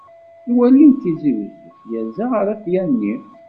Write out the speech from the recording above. Lwali n tizi wezzu yerza ɣer At yanni.